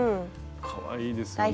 かわいいですよね。